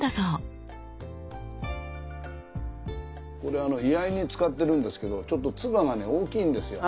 これあの居合に使ってるんですけどちょっと鐔がね大きいんですよ。